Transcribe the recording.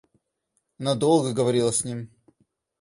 Она долго говорила с ним.